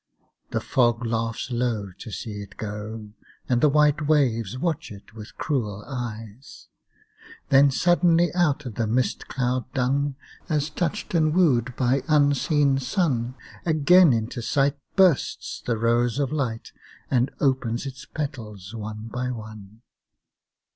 The fog laughs low to see it go, And the white waves watch it with cruel eyes. Then suddenly out of the mist cloud dun, As touched and wooed by unseen sun, Again into sight bursts the rose of light And opens its petals one by one.